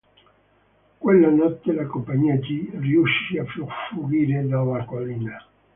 Quella notte, la Compagnia G riuscì a fuggire dalla collina.